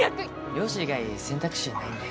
漁師以外選択肢ないんで。